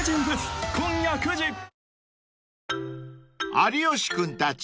［有吉君たち